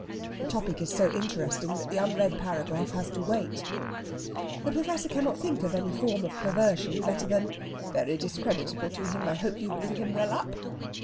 The topic is so interesting that the unread paragraph has to wait. The Professor cannot think of any form of perversion better than "Very discreditable to him. I hope you blew him well up?"